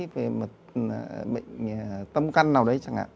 về một bệnh tâm căn nào đấy chẳng hạn